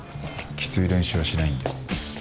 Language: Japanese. きつい練習はしないんで。